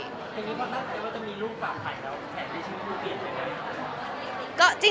ทีนี้พ่อนักไทยว่าจะมีลูกปั่นไข่แล้วแผ่นได้ชีวิตเปลี่ยนหรือเปลี่ยน